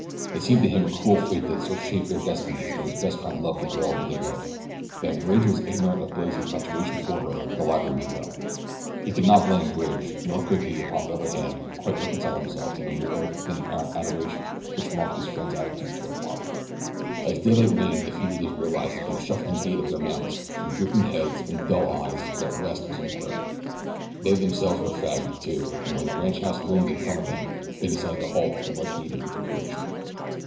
It seemed to him a cruel fate that had so shaped their destinies that his best friend loved the girl Billy loved. That Bridge was ignorant of Billy's infatuation for her the latter well knew. He could not blame Bridge, nor could he, upon the other hand, quite reconcile himself to the more than apparent adoration which marked his friend's attitude toward Barbara. As daylight waned the fugitives realized from the shuffling gait of their mounts, from drooping heads and dull eyes that rest was imperative. They themselves were fagged, too, and when a ranchhouse loomed in front of them they decided to halt for much needed recuperation.